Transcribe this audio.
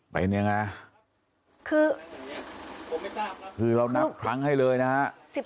วันนี้ยังไงคือคือเรานับครั้งให้เลยนะฮะ